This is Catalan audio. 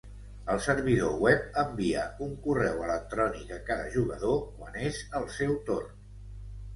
El servidor web envia un correu electrònic a cada jugador quan és el seu torn.